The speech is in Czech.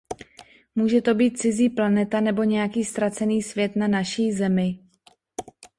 Může to být cizí planeta nebo nějaký ztracený svět na naší Zemi.